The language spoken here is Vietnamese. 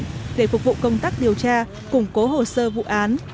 chúng ta đã khởi tố tỉnh để phục vụ công tác điều tra củng cố hồ sơ vụ án